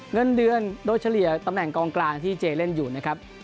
เงินเดือนโดยเฉลี่ยตำแหน่งกองกลางที่เจเล่นอยู่นะครับ